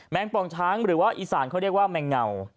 งปองช้างหรือว่าอีสานเขาเรียกว่าแมงเงา